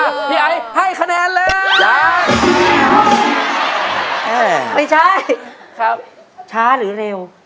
ไม่ใช่ช้าหรือเร็ว